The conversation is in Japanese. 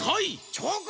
チョコ！